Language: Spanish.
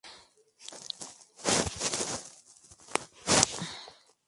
Los tallos de estas especies son sólidos y no huecos.